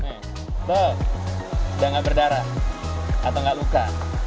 tuh udah nggak berdarah atau nggak luka